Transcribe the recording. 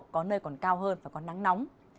có nơi còn cao hơn và có nắng nóng